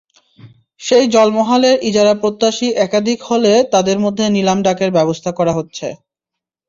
সেই জলমহালের ইজারাপ্রত্যাশী একাধিক হলে তাঁদের মধ্যে নিলাম ডাকের ব্যবস্থা করা হচ্ছে।